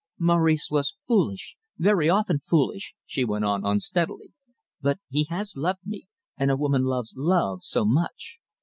"Maurice was foolish very often foolish," she went on unsteadily, "but he has loved me, and a woman loves love so much.